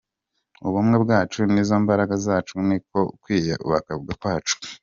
Ubumwe bwacu nizo mbaraga zacu niko kwiyubaka kwacu”.